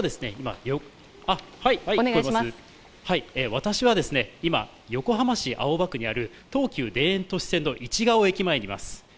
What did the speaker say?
私は今、横浜市青葉区にある東急田園都市線の市が尾駅前にいます。